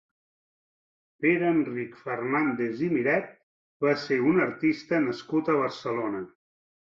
Pere Enric Fernández i Miret va ser un artista nascut a Barcelona.